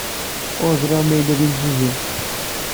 Ur ẓriɣ ma yella d imsujji.